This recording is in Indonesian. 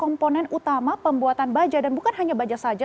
komponen utama pembuatan baja dan bukan hanya baja saja